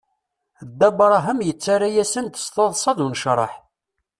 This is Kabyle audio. Dda Brahem yettara-yasen-d s taḍsa d unecraḥ.